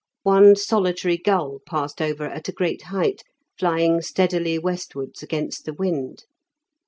One solitary gull passed over at a great height, flying steadily westwards against the wind.